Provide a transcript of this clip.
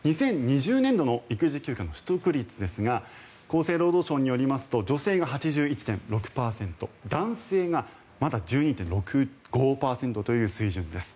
２０２０年度の育児休暇の取得率ですが厚生労働省によりますと女性が８１．６％男性がまだ１２．６５％という水準です。